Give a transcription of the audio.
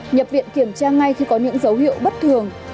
nhập viện kiểm tra ngay khi có những dấu hiệu bất thường